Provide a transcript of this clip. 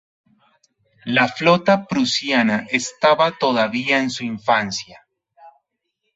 La flota prusiana estaba todavía en su infancia.